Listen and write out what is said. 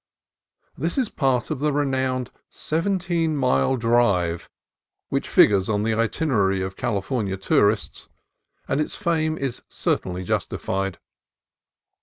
This is part of the re nowned Seventeen Mile Drive which figures on the itinerary of California tourists, and its fame is cer tainly justified.